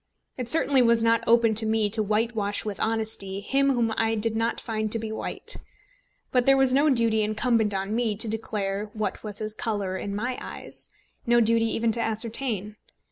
It certainly was not open to me to whitewash with honesty him whom I did not find to be white; but there was no duty incumbent on me to declare what was his colour in my eyes, no duty even to ascertain.